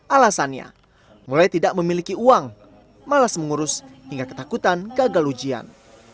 alasannya mulai tidak memiliki uang malas mengurus hingga ketakutan gagal ujian